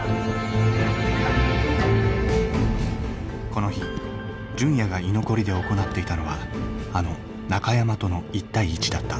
この日純也が居残りで行っていたのはあの「中山との１対１」だった。